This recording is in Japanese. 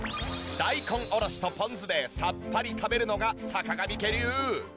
大根おろしとポン酢でさっぱり食べるのが坂上家流。